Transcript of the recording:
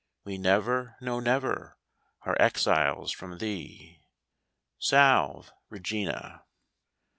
We never, no, never. Are exiles from thee. Salve, Regina